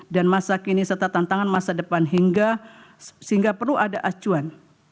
dan masa kini serta tantangan masa depan sehingga perlu ada acuan